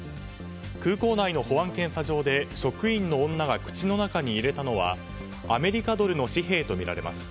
空港内の保安検査場で職員の女が口の中に入れたのはアメリカドルの紙幣とみられます。